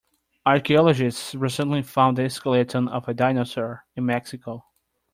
Archaeologists recently found the skeleton of a dinosaur in Mexico.